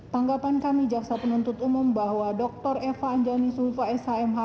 tanggapan kami jaksa penuntut umum bahwa dr eva anjani sulfa s h m h